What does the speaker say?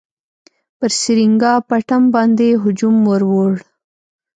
پر سرینګا پټم باندي هجوم ورووړ.